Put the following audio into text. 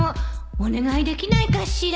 お願いできないかしら？